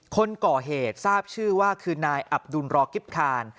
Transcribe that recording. คนก่อเหตุทราบชื่อว่าคือนายอับดุลรอกิ๊บคาน